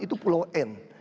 itu pulau n